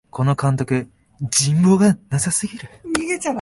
この監督、人望がなさすぎる